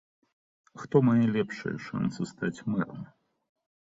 Хто мае лепшыя шанцы стаць мэрам?